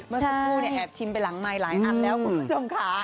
เมื่อสักครู่เนี่ยแอบชิมไปหลังไมค์หลายอันแล้วคุณผู้ชมค่ะ